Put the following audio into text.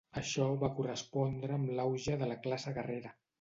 Això va correspondre amb l'auge de la classe guerrera.